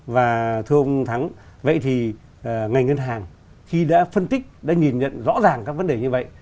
và thưa ông thắng vậy thì ngành ngân hàng khi đã phân tích đã nhìn nhận rõ ràng các vấn đề như vậy